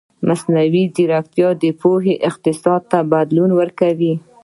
مصنوعي ځیرکتیا د پوهې اقتصاد ته بدلون ورکوي.